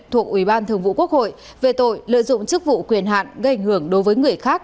thuộc ủy ban thường vụ quốc hội về tội lợi dụng chức vụ quyền hạn gây ảnh hưởng đối với người khác